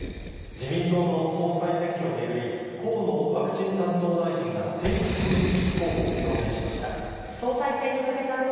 自民党の総裁選挙を巡り、河野ワクチン担当大臣が正式に立候補を表明しました。